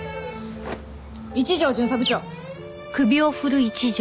一条巡査部長。